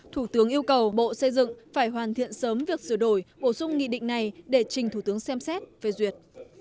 thủ tướng yêu cầu bộ xây dựng phải hoàn thiện sớm việc sửa đổi bổ sung nghị định này để trình thủ tướng xem xét phê duyệt